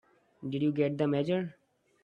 Did you get the Mayor?